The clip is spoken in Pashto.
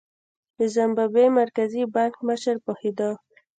د زیمبابوې د مرکزي بانک مشر پوهېده.